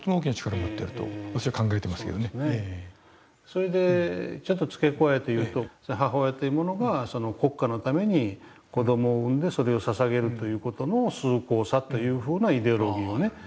それでちょっと付け加えて言うと母親というものが国家のために子どもを産んでそれをささげるという事の崇高さというふうなイデオロギーをね利用してる。